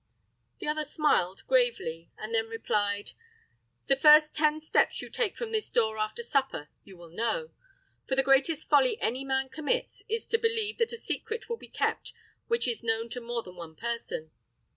The other smiled, gravely, and then replied, "The first ten steps you take from this door after supper, you will know; for the greatest folly any man commits, is to believe that a secret will be kept which is known to more than one person.